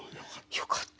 よかった。